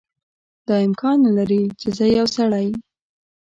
دا امکان نه لري چې زه یو سړی.